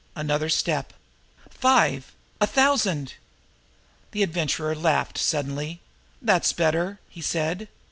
Another step. "Five a thousand!" The Adventurer laughed suddenly. "That's better!" he said.